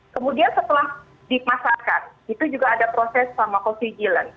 kemudian setelah dipasarkan itu juga ada proses pharmacophilicillance